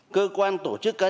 cơ quan tổ chức cá nhân